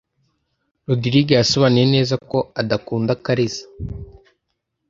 Rogride yasobanuye neza ko adakunda Kariza .